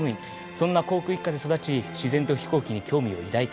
そんな航空一家で育ち自然と飛行機に興味を抱いた。